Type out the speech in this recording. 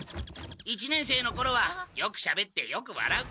一年生のころはよくしゃべってよくわらう子だったんだ。